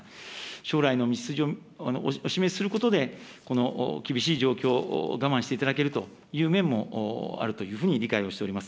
将来の道筋をお示しすることで、この厳しい状況を我慢していただけるという面もあるというふうに理解をしております。